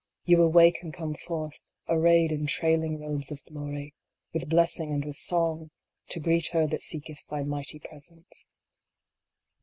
You awake and come forth arrayed in trailing robes of glory, with blessing and with song to greet her that seeketh thy mighty presence.